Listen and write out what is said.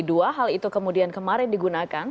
dua hal itu kemudian kemarin digunakan